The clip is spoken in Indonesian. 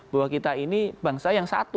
bahwa kita ini bangsa yang satu